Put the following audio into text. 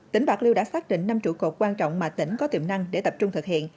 tỉnh bạc liêu đã xác định năm trụ cột quan trọng mà tỉnh có tiềm năng để tập trung thực hiện